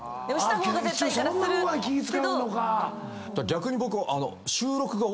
逆に僕。